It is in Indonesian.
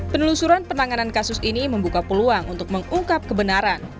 penelusuran penanganan kasus ini membuka peluang untuk mengungkap kebenaran